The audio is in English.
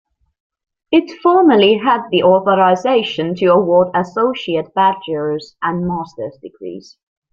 It formerly had the authorization to award associate, bachelor's, and master's degrees.